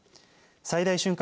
最大瞬間